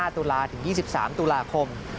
ตุลาถึง๒๓ตุลาคม